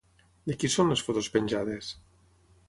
De qui són les fotos penjades?